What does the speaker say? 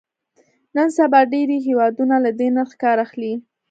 نن سبا ډېری هېوادونه له دې نرخ کار اخلي.